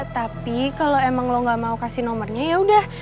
tapi kalau emang lo nggak mau kasih nomornya ya udah